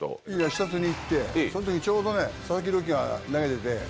視察に行ってそん時にちょうど佐々木朗希が投げてて。